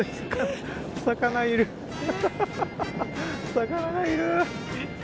魚がいる。